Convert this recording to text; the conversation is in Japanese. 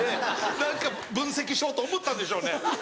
何か分析しようと思ったんでしょうね。